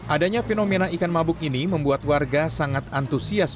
adanya fenomena ikan mabuk ini membuat warga sangat antusias